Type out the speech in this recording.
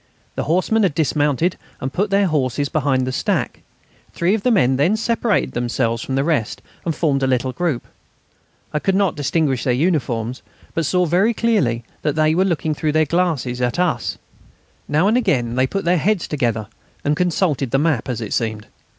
The horsemen had dismounted and put their horses behind the stack. Three of the men then separated themselves from the rest and formed a little group. I could not distinguish their uniforms, but saw very clearly that they were looking through their glasses at us. Now and again they put their heads together, and consulted the map, as it seemed.